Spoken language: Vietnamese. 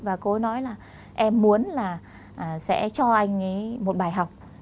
và cô ấy nói là em muốn là sẽ cho anh ấy một bài học